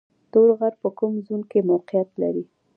تور غر په کوم زون کې موقعیت لري؟